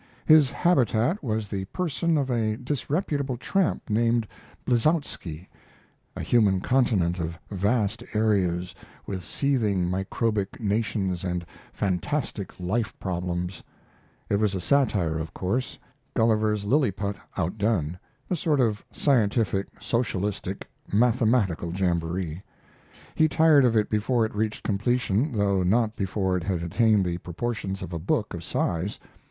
His habitat was the person of a disreputable tramp named Blitzowski, a human continent of vast areas, with seething microbic nations and fantastic life problems. It was a satire, of course Gulliver's Lilliput outdone a sort of scientific, socialistic, mathematical jamboree. He tired of it before it reached completion, though not before it had attained the proportions of a book of size.